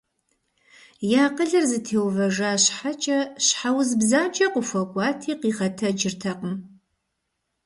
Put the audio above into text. И акъылыр зэтеувэжа щхьэкӏэ, щхьэ уз бзаджэ къыхуэкӏуати къигъэтэджыртэкъым.